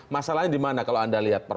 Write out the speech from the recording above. masalahnya dimana kalau anda lihat